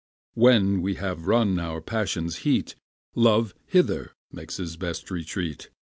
When we have run our passion's heat, Love hither makes his best retreat.